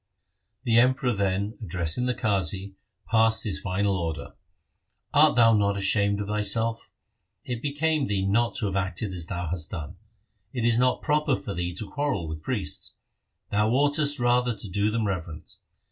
The Emperor then, addressing the Qazi, passed his final order :' Art thou not ashamed of thyself ? It became thee not to have acted as thou hast done. It is not proper for thee to quarrel with priests. Thou oughtest rather to do them reverence.